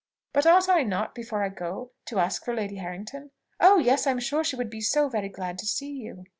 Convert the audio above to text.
But ought I not, before I go, to ask for Lady Harrington?" "Oh yes! I am sure she would be so very glad to see you!"